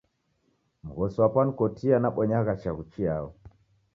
Mghosi wapo wanikotia nabonyagha chaghu chiao.